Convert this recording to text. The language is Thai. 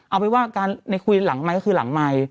เอาเป็นว่าการในคุยหลังไมค์ก็คือหลังไมค์